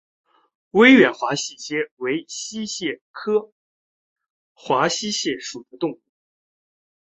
威远华溪蟹为溪蟹科华溪蟹属的动物。